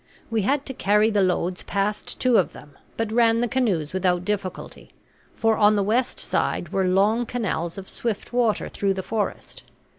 We had to carry the loads past two of them, but ran the canoes without difficulty, for on the west side were long canals of swift water through the forest.